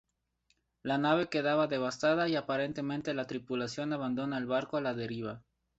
La nave queda devastada y aparentemente la tripulación abandona el barco a la deriva.